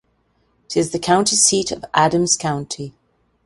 It is the county seat of Adams County.